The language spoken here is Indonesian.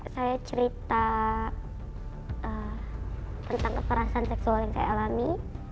saya cerita tentang kekerasan seksual yang saya alami